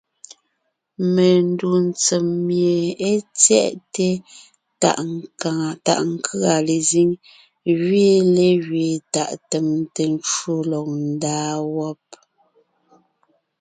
Mendù tsèm mie é tyɛʼte tàʼ nkʉ̀a lezíŋ gẅiin légẅiin tàʼ tèmte ncwò lɔg ńdaa wɔ́b.